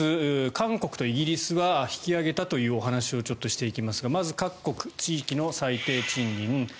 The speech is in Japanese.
韓国とイギリスは引き上げたというお話をちょっとしていきますがまず各国、地域の最低賃金。